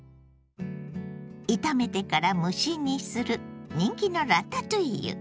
炒めてから蒸し煮する人気のラタトゥイユ。